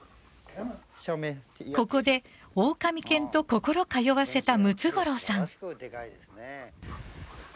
ここでオオカミ犬と心通わせたムツゴロウさん。